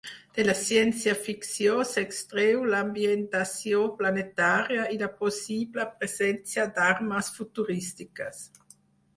De la ciència-ficció s'extreu l'ambientació planetària i la possible presència d'armes futurístiques.